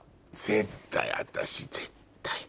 絶対私絶対。